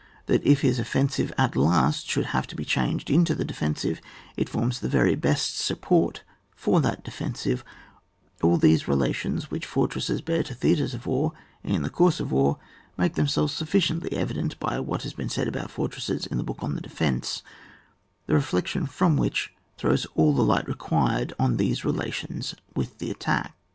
that if his offensive at last should have to be changed into the defensive, it forms the very best support for that defensive — all these relations which fortresses bear to theatres of war, in the course of a war, make themselves sufficiently evident by what has been said about fortresses in the book on the Defence, the reflection from which throws all the light required on these relations with the attack.